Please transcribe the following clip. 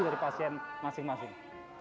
dari pasien masing masing